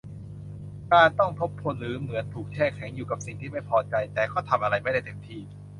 การต้องทบทวนหรือเหมือนถูกแช่แข็งอยู่กับสิ่งที่ไม่พอใจ แต่ก็ทำอะไรไม่ได้เต็มที่